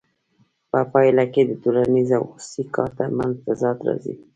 په پایله کې د ټولنیز او خصوصي کار ترمنځ تضاد راځي